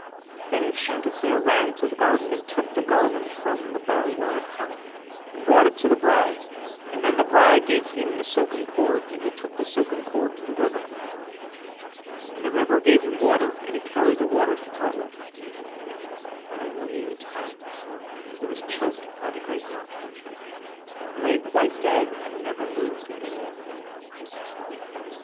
Then Chanticleer ran to the garden, and took the garland from the bough where it hung, and brought it to the bride; and then the bride gave him the silken cord, and he took the silken cord to the river, and the river gave him water, and he carried the water to Partlet; but in the meantime she was choked by the great nut, and lay quite dead, and never moved any more.